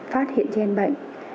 phát hiện gian bệnh